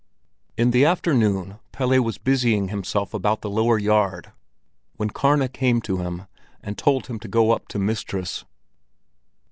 In the afternoon Pelle was busying himself about the lower yard when Karna came to him and told him to go up to mistress.